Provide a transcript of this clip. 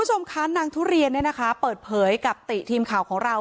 ไม่สำคัญนางทุเรียนเปิดเผยกับประ๗๑ทีมข่าวของเรา